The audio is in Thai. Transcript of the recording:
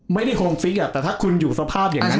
ไม่ได้คงฟิกอ่ะแต่ถ้าคุณอยู่สภาพอย่างนั้น